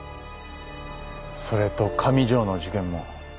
それと上条の事件も。